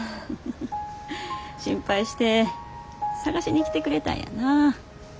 心配して捜しに来てくれたんやな。